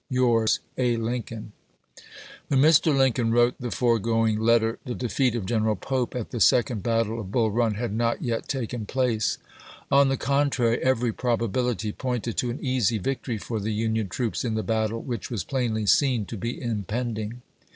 Yours, A. Lencoln. When Mr. Lincoln wrote the foregoing letter the defeat of General Pope at the second battle of Bull Run had not yet taken place ; on the contrary, every probability pointed to an easy victory for the Union troops in the battle which was plainly seen to be impending.